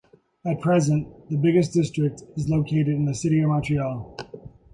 At present, the biggest district is located in the city of Montreal.